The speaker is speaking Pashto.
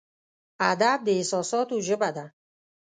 ادب د احساساتو ژبه ده.